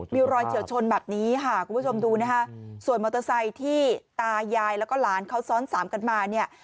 มีรอยเฉียวชนแบบนี้ค่ะคุณผู้ชมดูนะคะส่วนมอเตอร์ไซค์ที่ตายายแล้วก็หลานเขาซ้อนสามกันมาเนี่ย